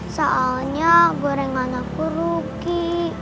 soalnya gorengan aku rugi